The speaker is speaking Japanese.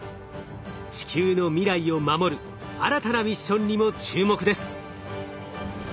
地球の未来を守る新たなミッションにも注目です。